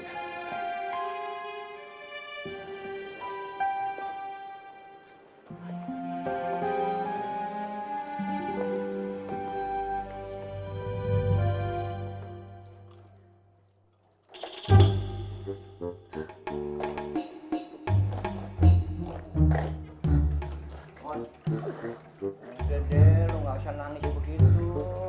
bisa deh lu gak usah nangis begitu